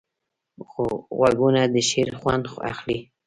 غوږونه د شعر خوند اخلي